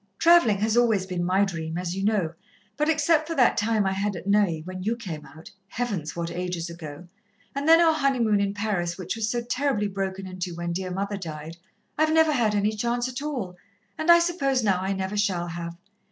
"Travelling has always been my dream, as you know, but except for that time I had at Neuilly, when you came out Heavens, what ages ago! and then our honeymoon in Paris, which was so terribly broken into when dear mother died, I've never had any chance at all, and I suppose now I never shall have.